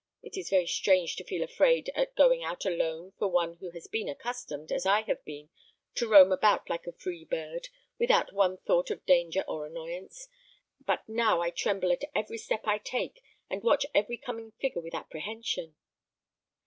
It is very strange to feel afraid at going out alone for one who has been accustomed, as I have been, to roam about like a free bird, without one thought of danger or annoyance; but now I tremble at every step I take, and watch every coming figure with apprehension."